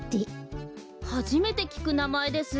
はじめてきくなまえです。